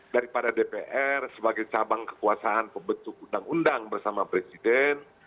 daripada dpr sebagai cabang kekuasaan pembentuk undang undang bersama presiden